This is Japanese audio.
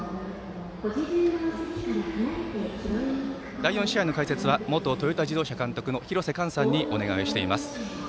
第４試合の解説は元トヨタ自動車監督の廣瀬寛さんにお願いしています。